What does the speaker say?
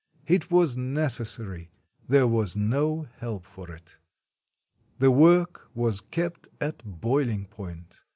It was neces sary, there was no help for it. The work was kept at boiling point.